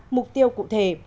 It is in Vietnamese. ba mục tiêu cụ thể